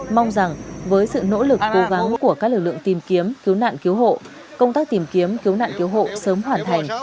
mong rằng với sự nỗ lực cố gắng của các lực lượng tìm kiếm cứu nạn cứu hộ công tác tìm kiếm cứu nạn cứu hộ sớm hoàn thành